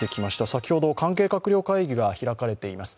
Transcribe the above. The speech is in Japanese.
先ほど関係閣僚会議が開かれています。